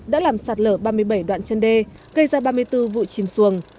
đã làm sạt lở ba mươi bảy đoạn chân đê gây ra ba mươi bốn vụ chìm xuồng